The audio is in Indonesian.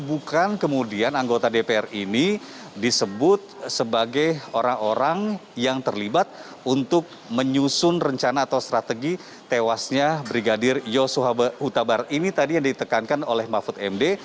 bukan kemudian anggota dpr ini disebut sebagai orang orang yang terlibat untuk menyusun rencana atau strategi tewasnya brigadir yosua huta barat ini tadi yang ditekankan oleh mahfud md